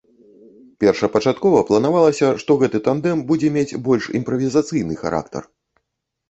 Першапачаткова планавалася, што гэты тандэм будзе мець больш імправізацыйны характар.